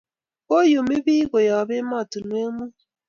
koyumi pik koyab ematinywek mut